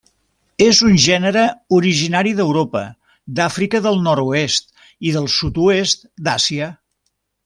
És un gènere originari d'Europa, d'Àfrica del nord-oest i del sud-oest d'Àsia.